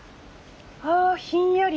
あひんやり。